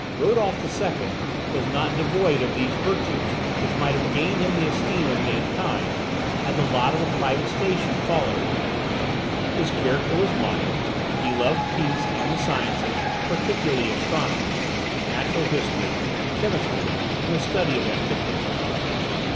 Rodolph the Second was not devoid of those virtues which might have gained him the esteem of mankind, had the lot of a private station fallen to him. His character was mild, he loved peace and the sciences, particularly astronomy, natural history, chemistry, and the study of antiquities.